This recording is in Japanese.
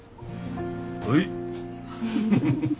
はい。